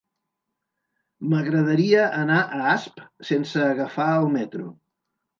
M'agradaria anar a Asp sense agafar el metro.